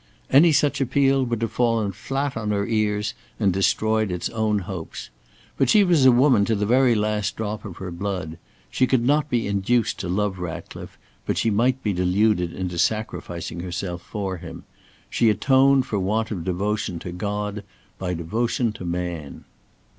Any such appeal would have fallen flat on her ears and destroyed its own hopes. But she was a woman to the very last drop of her blood. She could not be induced to love Ratcliffe, but she might be deluded into sacrificing herself for him. She atoned for want of devotion to God, by devotion to man.